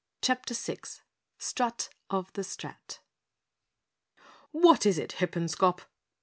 CHAPTER 6 Strut of the Strat "What is it, Hippenscop?"